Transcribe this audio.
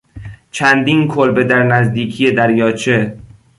چندین کلبه در نزدیکی دریاچه